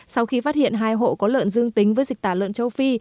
sau khi phát hiện hai hộ có lợn dương tính với dịch tả lợn châu phi